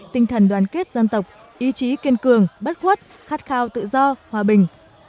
tinh thần đoàn kết dân tộc ý chí kiên cường bất khuất khát khao tự do hòa bình